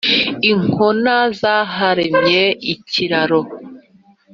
inkona zaharemye ikiraro